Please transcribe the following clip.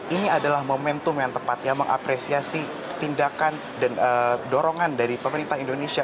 ini adalah momentum yang tepat yang mengapresiasi tindakan dan dorongan dari pemerintah indonesia